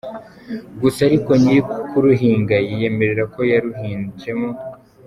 Gusa ariko nyiri kuruhinga yiyemerera ko yaruhinzemo.